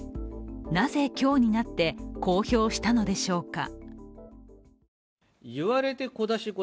なぜ、今日になって公表したのでしょうか。